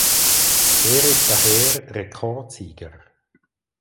Er ist daher Rekordsieger.